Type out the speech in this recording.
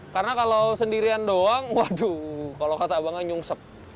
karena kalau sendirian doang waduh kalau kata abangnya nyungsep